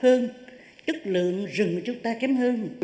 chất lượng rừng của chúng ta kém hơn